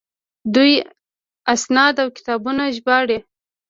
دوی اسناد او کتابونه ژباړي.